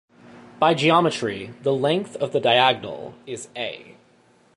By geometry, the length of the diagonal is "a".